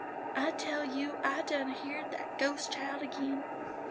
"I tell you, I done heerd that ghost child agin.